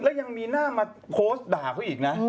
แล้วยังมีหน้ามาโฆษ์ด่าเขา